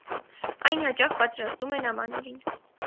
Այն հաճախ պատրաստում են ամանորին։